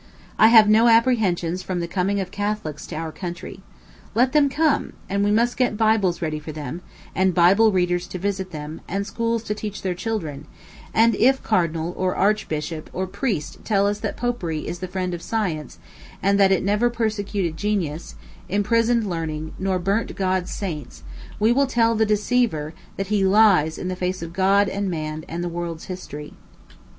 I have no apprehensions from the coming of Catholics to our country. Let them come, and we must get Bibles ready for them, and Bible readers to visit them, and schools to teach their children; and if cardinal, or archbishop, or priest tell us that Popery is the friend of science, and that it never persecuted genius, imprisoned learning, nor burnt God's saints, we will tell the deceiver that he lies in the face of God and man and the world's history.